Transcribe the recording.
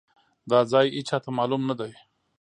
دا ځای ايچاته مالوم ندی.